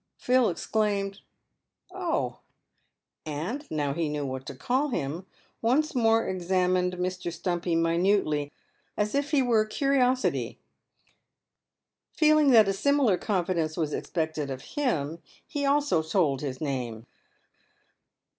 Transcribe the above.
Phil exclaimed " Oh !" and, now he knew what to call him, once PAVED WITH GOLD. 87 more examined Mr. Stumpy minutely, as if he were a curiosity. Feeling that a similar confidence was expected of him, he also told his name.